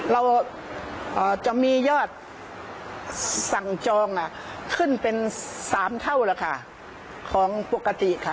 เราเอ่อจะมียอดสั่งจองน่ะขึ้นเป็นสามเท่าแหละค่ะของปกติค่ะ